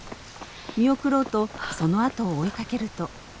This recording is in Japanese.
見送ろうとそのあとを追いかけると。